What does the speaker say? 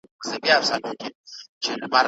کمپيوټر په ښوونځي کښي مرسته کوي.